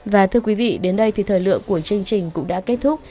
và thưa quý vị đến đây thì thời lượng của chương trình cũng đã kết thúc